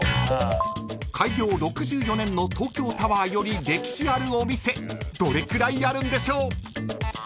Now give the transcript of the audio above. ［開業６４年の東京タワーより歴史あるお店どれくらいあるんでしょう？］